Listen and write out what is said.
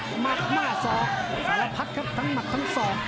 หมัดหน้าศอกสารพัดครับทั้งหมัดทั้งสอง